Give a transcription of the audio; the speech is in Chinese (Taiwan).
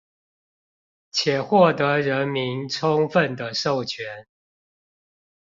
且獲得人民充分的授權